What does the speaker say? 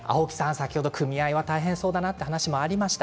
先ほど共同組合が大変そうだなという話がありました。